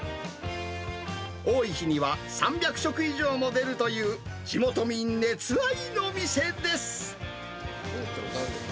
多い日には３００食以上も出るという、地元民熱愛の店です。